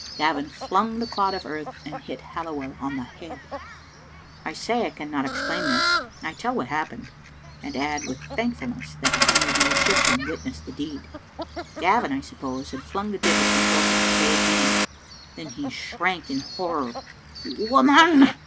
Gavin flung the clod of earth, and hit Halliwell on the head. I say I cannot explain this. I tell what happened, and add with thankfulness that only the Egjrptian wit nessed the deed. Gavin, I suppose, had flung the divit before he could stay his hand. Then he shrank in horror. " Woman